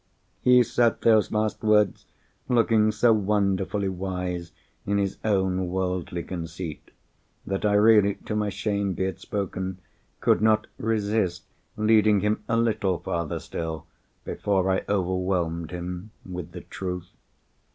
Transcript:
He said those last words, looking so wonderfully wise in his own worldly conceit, that I really (to my shame be it spoken) could not resist leading him a little farther still, before I overwhelmed him with the truth.